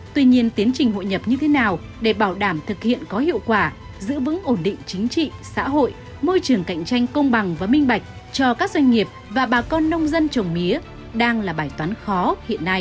tuy nhiên tiến trình hội nhập như thế nào để bảo đảm thực hiện có hiệu quả giữ vững ổn định chính trị xã hội môi trường cạnh tranh công bằng và minh bạch cho các doanh nghiệp và bà con nông dân trồng mía đang là bài toán khó hiện nay